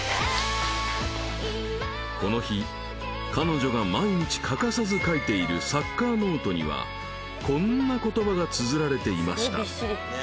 この日彼女が毎日欠かさず書いているサッカーノートにはこんな言葉がつづられていました